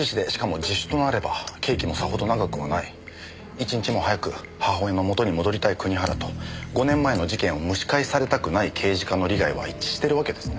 一日も早く母親の元に戻りたい国原と５年前の事件を蒸し返されたくない刑事課の利害は一致してるわけですね。